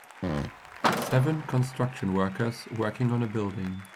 Seven construction workers working on a building.